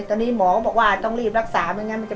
ตอนนี้หมอก็บอกว่าต้องรีบรักษา